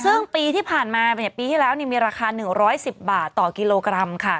ซึ่งปีที่ผ่านมาปีที่แล้วมีราคา๑๑๐บาทต่อกิโลกรัมค่ะ